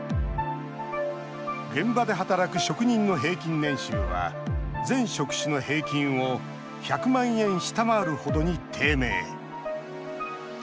現場で働く職人の平均年収は全職種の平均を１００万円下回る程に低迷。